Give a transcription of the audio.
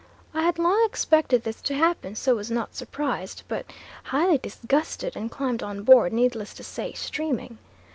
I had long expected this to happen, so was not surprised, but highly disgusted, and climbed on board, needless to say, streaming.